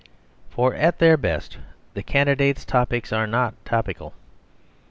For, at their best, the candidate's topics are not topical.